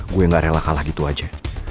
gue gak rela kalah gitu aja